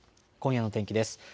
今夜の天気です。